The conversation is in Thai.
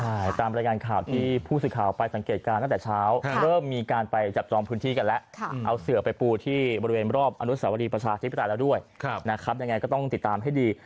ใช่ตามรายงานข่าวที่ผู้สื่อข่าวไปสังเกตการณ์ตั้งแต่เช้าเริ่มมีการไปจับจองพื้นที่กันแล้วเอาเสือไปปูที่บริเวณรอบอนุสาวรีประชาธิปไตยแล้วด้วยนะครับยังไงก็ต้องติดตามให้ดี